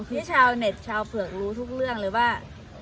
ที่ชาวเน็ตชาวเผือกรู้ทุกเรื่องเลยว่า